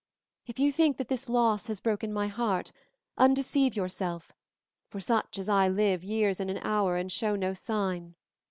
If you think that this loss has broken my heart, undeceive yourself, for such as I live years in an hour and show no sign.